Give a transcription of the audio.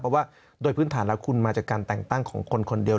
เพราะว่าโดยพื้นฐานแล้วคุณมาจากการแต่งตั้งของคนคนเดียว